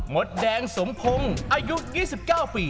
มดแดงสมพงศ์อายุ๒๙ปี